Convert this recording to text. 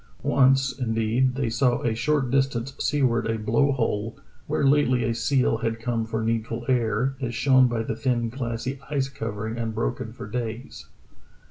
Once, indeed, they saw a short distance seaward a blow hole, where lately a seal had come for needful air, as shown by the thin glassy ice covering, unbroken for days.